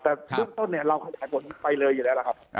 แต่ทุกต้นเนี่ยเราขยายผลไปเลยอยู่แล้วครับ